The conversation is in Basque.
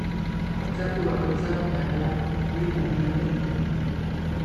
Kontzertu bakoitzak, gainera, hiru mugimendu ditu.